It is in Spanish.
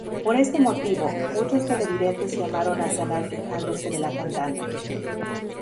Por este motivo, muchos televidentes llamaron al canal quejándose de la cantante.